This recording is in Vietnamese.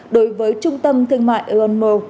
đối với trung tâm thương mại euron mall